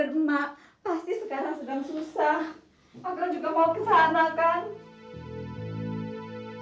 akran juga mau ke sana kan